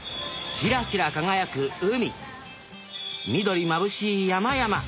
キラキラ輝く海緑まぶしい山々。